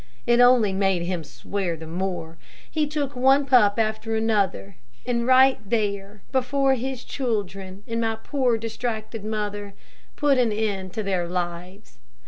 It only made him swear the more. He took one pup after another, and right there, before his children and my poor distracted mother, put an end to their lives.